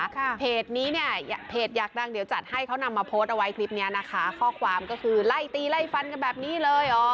เข้าขวรความก็คือไล้ตีไล้ฟันกันแบบนี้เลยอ๋อ